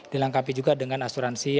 dilengkapi juga dengan asuransi